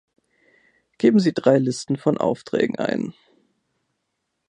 Geben Sie drei Listen von Aufträgen ein.